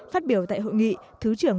phát biểu tại hội nghị thứ trưởng